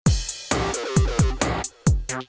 ดูที่หลัง